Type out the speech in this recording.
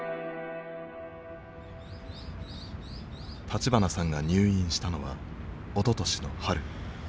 立花さんが入院したのはおととしの春。